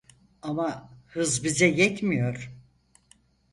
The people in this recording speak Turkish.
Ama hız bize yetmiyor